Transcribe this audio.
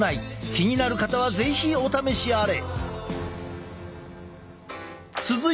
気になる方は是非お試しあれ！